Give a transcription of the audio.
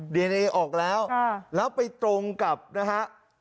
ดีเอนเอออกแล้วแล้วไปตรงกับนะฮะ